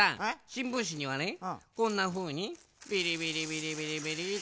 しんぶんしにはねこんなふうにビリビリビリビリビリッて。